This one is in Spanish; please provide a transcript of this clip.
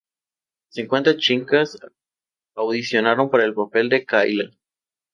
Cincuenta chicas audicionaron para el papel de Kayla.